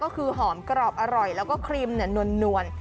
ก็คือหอมกรอบอร่อยแล้วก็ครีมนวล